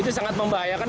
itu sangat membahayakan